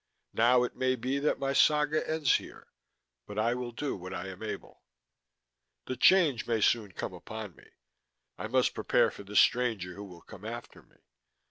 Now it may be that my saga ends here, but I will do what I am able._ _The Change may soon come upon me; I must prepare for the stranger who will come after me.